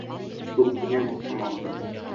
Туп тиһәң, оҡшамаған.